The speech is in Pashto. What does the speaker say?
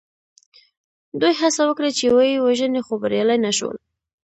دوی هڅه وکړه چې ویې وژني خو بریالي نه شول.